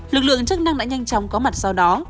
lực lượng chức năng đã nhanh chóng có mặt sau đó